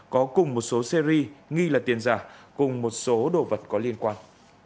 có cùng một số series nghi là tiền giả cùng một số đồ vật có liên quan